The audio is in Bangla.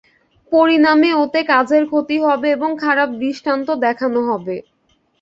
পরিণামে ওতে কাজের ক্ষতি হবে এবং খারাপ দৃষ্টান্ত দেখান হবে।